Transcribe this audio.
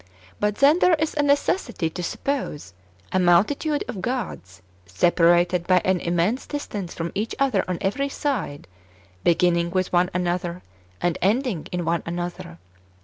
But then there is a neces sity to suppose a multitude of gods separated by an immense distance from each other on every side, beginning with one another, and ending in one another.